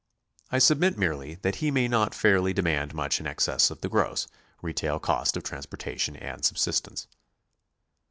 I submit merely that he may not fairly demand much in excess of the gross, retail cost of transpor tation and subsistence.